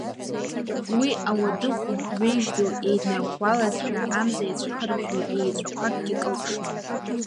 Уи ауадыхә ҩежь ду еиднарӷәӷәалазшәа, амза иацәыхарашәа еиҵәақәакгьы кылԥшуан…